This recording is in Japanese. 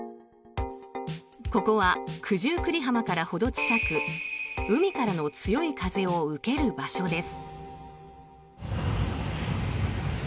ここは九十九里浜からほど近く海からの強い風を受ける場所です。